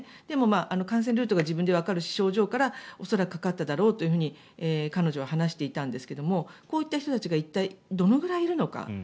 でも、感染ルートが自分でわかるし症状から恐らくかかっただろうと彼女は話していたんですけどこういった人たちが一体どのくらいいるのか。